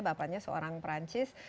bapaknya seorang perancis